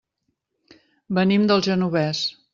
Venim del Genovés.